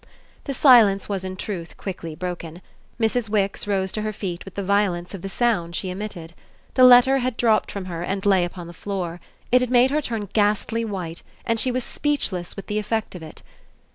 The silence was in truth quickly broken; Mrs. Wix rose to her feet with the violence of the sound she emitted. The letter had dropped from her and lay upon the floor; it had made her turn ghastly white and she was speechless with the effect of it.